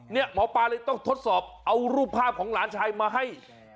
หมอปลาเลยต้องทดสอบเอารูปภาพของหลานชายมาให้